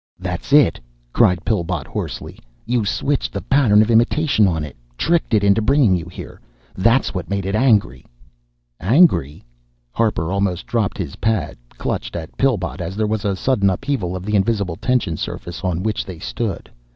"That's it!" cried Pillbot hoarsely. "You switched the pattern of imitation on It tricked It into bringing you here. That's what made it angry " "Angry?" Harper almost dropped his pad, clutched at Pillbot as there was a sudden upheaval of the invisible tension surface on which they stood.